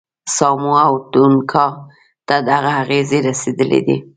ساموا او تونګا ته دغه اغېزې رسېدلې دي.